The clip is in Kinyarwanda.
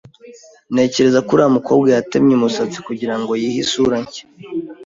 Ntekereza ko uriya mukobwa yatemye umusatsi kugirango yihe isura nshya.